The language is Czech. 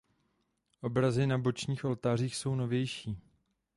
Obrazy na bočních oltářích jsou novější.